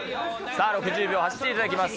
６０秒走っていただきます。